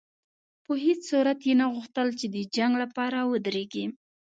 په هېڅ صورت یې نه غوښتل چې د جنګ لپاره ودرېږي.